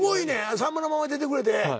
『さんまのまんま』に出てくれて。